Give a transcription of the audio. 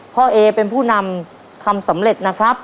เพราะเอเป็นผู้นำทำสำเร็จ